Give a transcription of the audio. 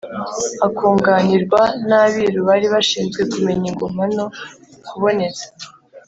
akunganirwa n'abiru bari bashinzwe kumenya ingoma no kuboneza